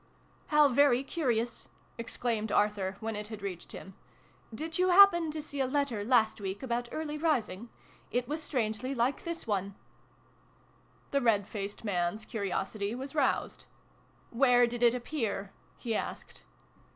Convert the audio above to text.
" How very curious !" exclaimed Arthur, when it had reached him. " Did you happen rx] THE FAREWELL PARTY. 141 to see a letter, last week, about early rising ? It was strangely like this one." The red faced man's curiosity was roused. " Where did it appear ?" he asked.